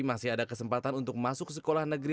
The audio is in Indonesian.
masih ada kesempatan untuk masuk sekolah negeri